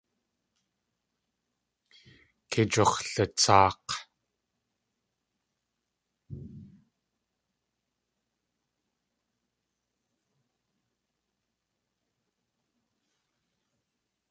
Kei jigux̲latsáak̲.